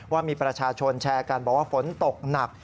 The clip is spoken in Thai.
ว่ามีประชาชนแชร์กันบอกว่าฝนตกหนัก